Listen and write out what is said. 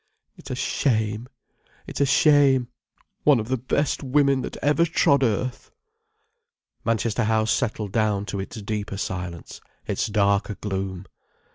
It's a shame, it's a shame, one of the best women that ever trod earth." Manchester House settled down to its deeper silence, its darker gloom.